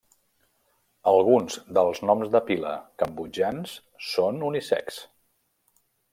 Alguns dels noms de pila cambodjans són unisex.